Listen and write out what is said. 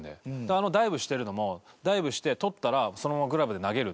あのダイブしてるのもダイブして捕ったらそのままグラブで投げる。